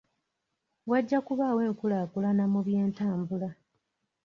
Wajja kubaawo enkulaakulana mu by'entambula.